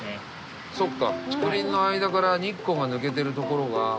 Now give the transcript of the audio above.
そっか竹林の間から日光が抜けてる所が。